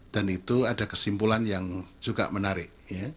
dan itu ada kesimpulan yang juga menarik